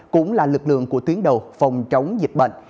cũng là lực lượng của tuyến đầu phòng chống dịch bệnh